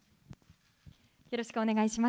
よろしくお願いします。